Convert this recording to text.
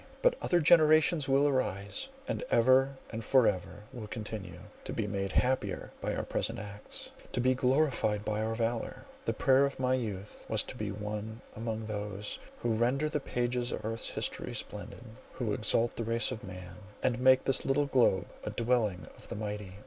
But other generations will arise, and ever and for ever will continue, to be made happier by our present acts, to be glorified by our valour. The prayer of my youth was to be one among those who render the pages of earth's history splendid; who exalt the race of man, and make this little globe a dwelling of the mighty.